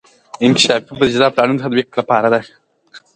انکشافي بودیجه د پلانونو تطبیق لپاره ده.